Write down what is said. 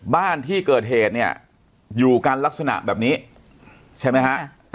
บ้านที่เกิดเหตุเนี่ยอยู่กันลักษณะแบบนี้ใช่ไหมฮะ